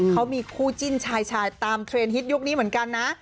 เขามีคู่จิ้นชายชายตามเทรนด์ฮิตยุคนี้เหมือนกันนะ